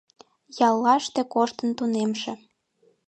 Яллаште коштын тунемше...